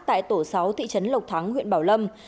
tại tổ sáu thị trấn lộc thắng huyện bảo lâm